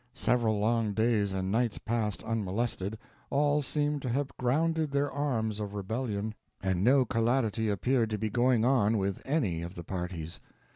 Several long days and nights passed unmolested, all seemed to have grounded their arms of rebellion, and no callidity appeared to be going on with any of the parties.